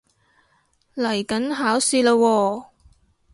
嚟緊考試喇喎